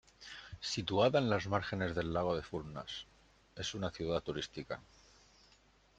Situada en los márgenes del lago de Furnas, es una ciudad turística.